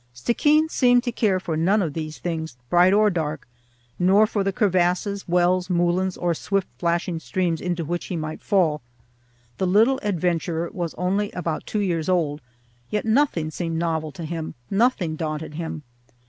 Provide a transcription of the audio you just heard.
Stickeen seemed to care for none of these things, bright or dark, nor for the crevasses, wells, moulins, or swift flashing streams into which he might fall. The little adventurer was only about two years old, yet nothing seemed novel to him, nothing daunted him.